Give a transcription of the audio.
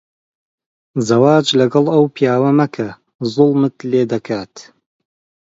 زەواج لەگەڵ ئەو پیاوە مەکە. زوڵمت لێ دەکات.